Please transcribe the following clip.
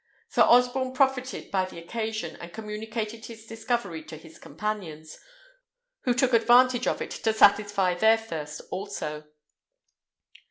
Sir Osborne profited by the occasion, and communicated his discovery to his companions, who took advantage of it to satisfy their thirst also.